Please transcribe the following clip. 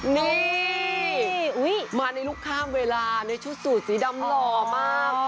นี่มาในลูกข้ามเวลาในชุดสูตรสีดำหล่อมาก